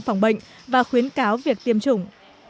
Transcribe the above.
phòng bệnh và khuyến cáo việc tiêm chủng